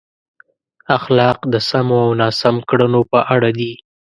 اخلاق د سمو او ناسم کړنو په اړه دي.